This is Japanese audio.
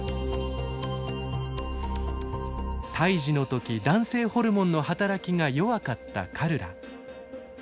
胎児の時男性ホルモンの働きが弱かったカルラ。